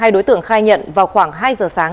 hai đối tượng khai nhận vào khoảng hai giờ sáng